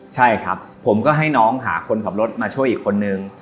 ใช่ครับผมก็ให้น้องหาคนขับรถมาช่วยอีกคนนึง